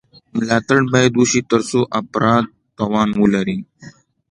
ملاتړ باید وشي ترڅو افراد توان ولري.